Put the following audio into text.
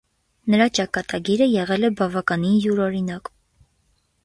Նրա ճակատագիրը եղել է բավականին յուրօրինակ։